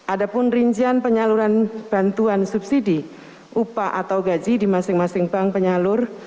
ada pun rincian penyaluran bantuan subsidi upah atau gaji di masing masing bank penyalur